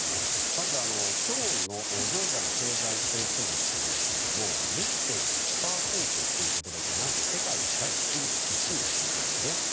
まず、去年のジョージアの経済成長率なんですが１０．１％ということで何と世界第１１位なんです。